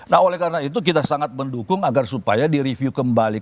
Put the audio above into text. nah oleh karena itu kita sangat mendukung agar supaya direview kembali